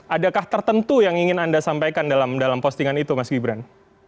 adakah tertentu yang ingin anda sampaikan dalam postingan itu mas gibran